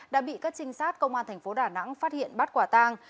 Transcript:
đã bị các trinh sát công an thành phố đà nẵng phát hiện bắt quả tang